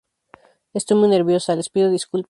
Estoy muy nerviosa, les pido disculpas".